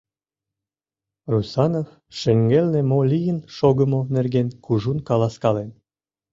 Русанов шеҥгелне мо лийын шогымо нерген кужун каласкален.